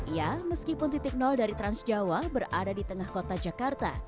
ya meskipun titik dari trans jawa berada di tengah kota jakarta